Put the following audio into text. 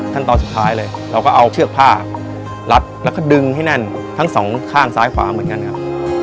ขั้นตอนสุดท้ายเลยเราก็เอาเชือกผ้ารัดแล้วก็ดึงให้แน่นทั้งสองข้างซ้ายขวาเหมือนกันครับ